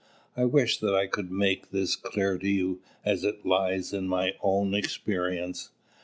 I wish that I could make this clear to you as it lies in my own experience.